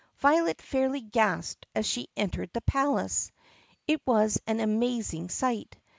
Violet fairly gasped as she entered the palace. It was an amazing sight.